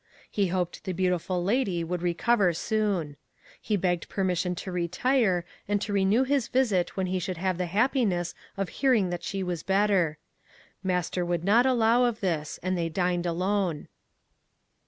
He hoped the beautiful lady would recover soon. He begged permission to retire, and to renew his visit when he should have the happiness of hearing that she was better. Master would not allow of this, and they dined alone.